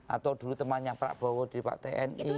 atau dulu temannya prabowo di pak tni